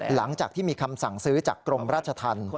หลังจากที่มีคำสั่งซื้อจากกรมราชธรรม